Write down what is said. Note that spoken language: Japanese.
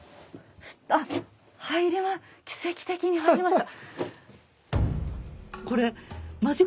あっ入りま奇跡的に入りました。